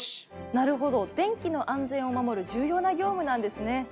なるほど電気の安全を守る重要な業務なんですね。